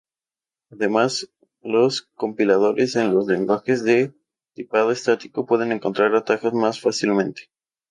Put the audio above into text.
Además, los compiladores en los lenguajes de tipado estático pueden encontrar atajos más fácilmente.